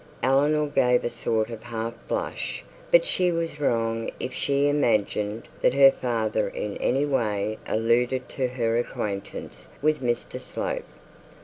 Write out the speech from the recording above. Eleanor gave a sort of half blush; but she was wrong if she imagined that her father in any way alluded to her acquaintance with Mr Slope.